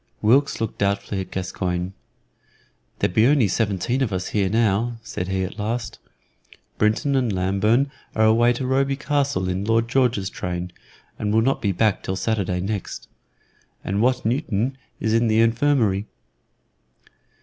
Wilkes looked doubtfully at Gascoyne. "There be only seventeen of us here now," said he at last. "Brinton and Lambourne are away to Roby Castle in Lord George's train, and will not be back till Saturday next. And Watt Newton is in the infirmary.